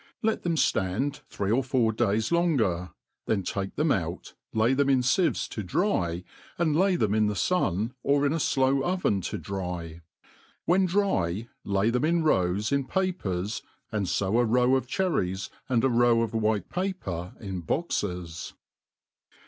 Let them' ftana three or four days longer, then take themoutj lay them in fieves to dry, and lay them in the fun, or in a flow oven to dry ; when dry, lay them irf rows in pa* pers, and fo a row of cherries, and a row of white paper in bonces.